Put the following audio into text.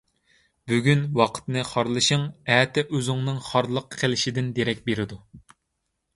بۈگۈن ۋاقىتنى خارلىشىڭ ئەتە ئۆزۈڭنىڭ خارلىققا قېلىشىدىن دېرەك بېرىدۇ.